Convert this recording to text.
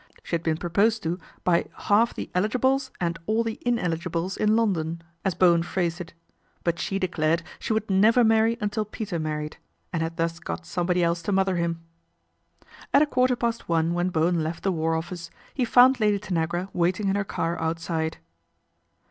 She had been proposed to by " half the eligibles and all the ineligibles in London," as Bowen phrased it ; but she declared she would never marry until Peter married, and had thus got somebody else to mother him. At a quarter past one when Bowen left the War Office, he found Lady Tanagra waiting in her car outside.